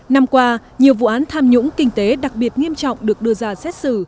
năm qua nhiều vụ án tham nhũng kinh tế đặc biệt nghiêm trọng được đưa ra xét xử